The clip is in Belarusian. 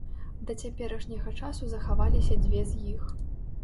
Да цяперашняга часу захаваліся дзве з іх.